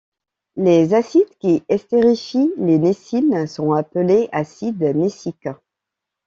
Les acides qui estérifient les nécines sont appelés acides néciques.